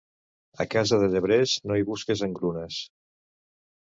A casa de llebrers, no hi busques engrunes.